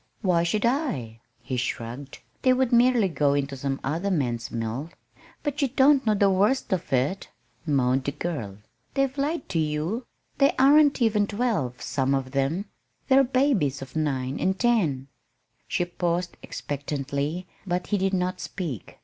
"Why should I?" he shrugged. "They would merely go into some other man's mill." "But you don't know the worst of it," moaned the girl. "They've lied to you. They aren't even twelve, some of them. They're babies of nine and ten!" She paused expectantly, but he did not speak.